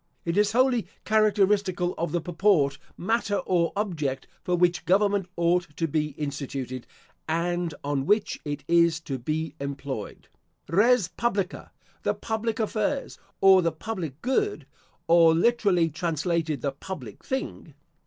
It is wholly characteristical of the purport, matter or object for which government ought to be instituted, and on which it is to be employed, Res Publica, the public affairs, or the public good; or, literally translated, the public thing.